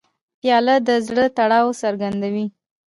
پیاله د زړه تړاو څرګندوي.